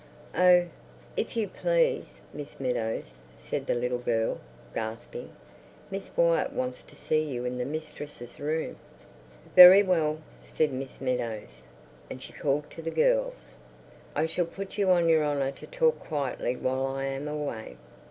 "Oh, if you please, Miss Meadows," said the little girl, gasping, "Miss Wyatt wants to see you in the mistress's room." "Very well," said Miss Meadows. And she called to the girls, "I shall put you on your honour to talk quietly while I am away."